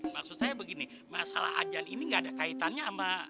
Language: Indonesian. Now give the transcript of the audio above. maksud saya begini masalah ajan ini gak ada kaitannya sama